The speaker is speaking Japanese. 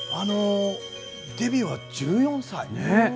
デビューは１４歳。